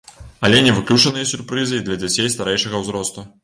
Але не выключаныя сюрпрызы і для дзяцей старэйшага ўзросту.